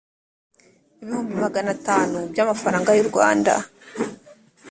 ibihumbi magana atanu by’amafaranga y’u rwanda